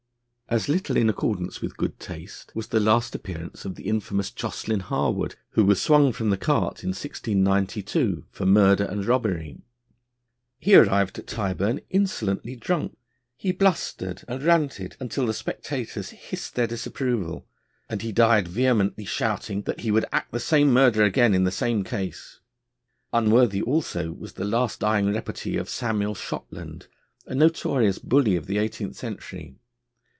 As little in accordance with good taste was the last appearance of the infamous Jocelin Harwood, who was swung from the cart in 1692 for murder and robbery. He arrived at Tyburn insolently drunk. He blustered and ranted, until the spectators hissed their disapproval, and he died vehemently shouting that he would act the same murder again in the same case. Unworthy, also, was the last dying repartee of Samuel Shotland, a notorious bully of the Eighteenth Century.